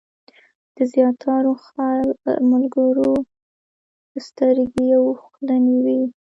د زیاترو ملګرو سترګې اوښلنې وې.